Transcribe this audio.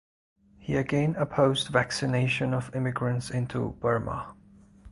He again opposed vaccination of immigrants into Burma.